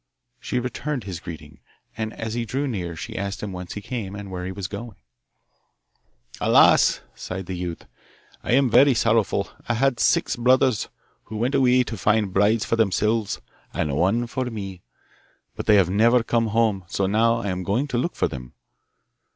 She returned his greeting, and as he drew near she asked him whence he came and where he was going. 'Alas!' sighed the youth, 'I am very sorrowful. I had six brothers, who went away to find brides for themselves and one for me; but they have never come home, so now I am going to look for them.